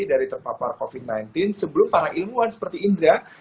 dari terpapar covid sembilan belas sebelum para ilmuwan seperti indra